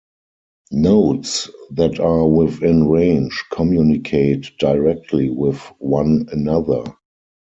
Nodes that are within range communicate directly with one another.